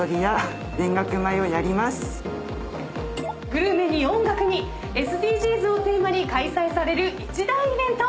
グルメに音楽にＳＤＧｓをテーマに開催される一大イベント。